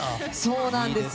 そうなんですよ。